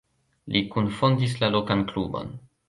Li kunfondis la lokan klubon.